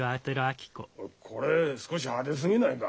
これ少し派手すぎないか？